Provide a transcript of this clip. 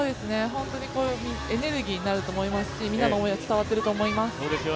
エネルギーになると思いますしみんなの応援が伝わっていると思います。